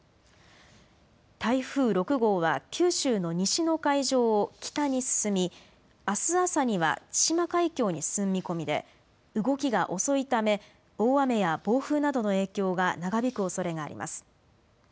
台風６号は九州の西の海上を北に進みあす朝には対馬海峡に進む見込みで動きが遅いため大雨や暴風などの影響が長引くおそれがあります。